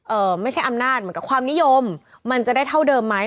เอ่อไม่ใช่อำนาจเหมือนกับความนิยมมันจะได้เท่าเดิมไหม